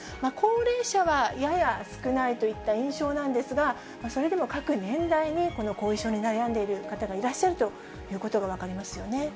高齢者はやや少ないといった印象なんですが、それでも各年代に、この後遺症で悩んでいる方がいらっしゃるということが分かります